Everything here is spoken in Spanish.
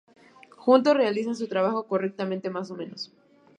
Juntos realizan su trabajo correctamente, más o menos.